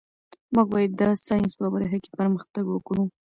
موږ باید د ساینس په برخه کې پرمختګ وکړو.